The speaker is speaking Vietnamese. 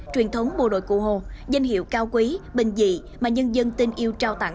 truyền thống bộ đội cụ hồ danh hiệu cao quý bình dị mà nhân dân tin yêu trao tặng